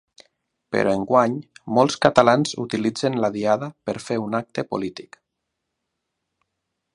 Però enguany molts catalans utilitzen la diada per fer un acte polític.